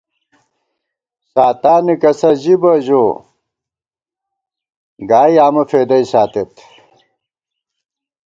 ساتانےکسہ ژِی بہ ، ژو گائی آمہ فېدَئی ساتېت